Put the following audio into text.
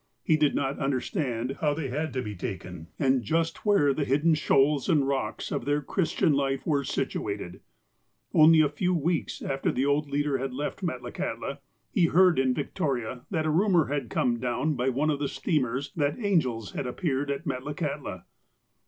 He did not understand how they had to be taken, and just where the hidden shoals and rocks of their Christian life were situated. Only a few weeks after the old leader had left Metla kahtla, he heard in Victoria that a rumour had come down by one of the steamers that angels had appeared at Metlakahtla.